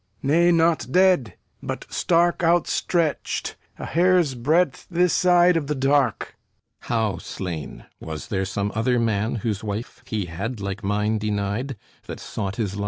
Nay, not dead; but stark Outstretched, a hairsbreadth this side of the dark. THESEUS (as though unmoved) How slain? Was there some other man, whose wife He had like mine denied, that sought his life?